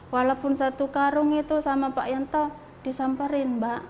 walaupun satu karung itu sama pak yanto disamperin mbak